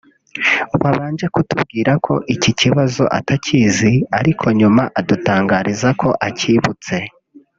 wabanje kutubwira ko iki kibazo atakizi ariko nyuma adutangariza ko acyibutse